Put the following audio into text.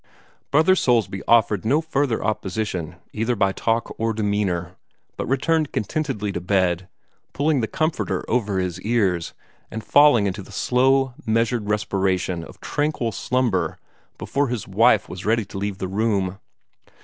Brother Soulsby offered no further opposition, either by talk or demeanor, but returned contentedly to bed, pulling the comforter over his ears, and falling into the slow, measured respiration of tranquil slumber before his wife was ready to leave the room.